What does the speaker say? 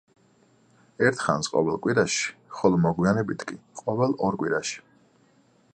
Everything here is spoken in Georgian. ერთხანს ყოველ კვირაში, ხოლო მოგვიანებით კი ყოველ ორ კვირაში.